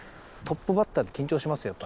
トップバッターって緊張します？